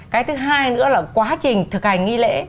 cái thứ hai nữa là quá trình thực hành nghi lễ